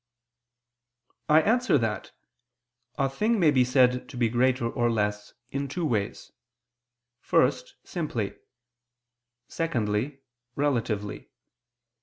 I answer that, A thing may be said to be greater or less in two ways: first, simply; secondly, relatively.